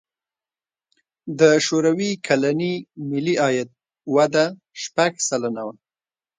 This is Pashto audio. د شوروي کلني ملي عاید وده شپږ سلنه وه.